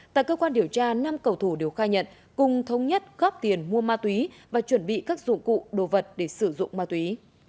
tại cơ quan điều tra năm cầu thủ đều khai nhận cùng thống nhất góp tiền mua ma túy và chuẩn bị các dụng cụ đồ vật để sử dụng ma túy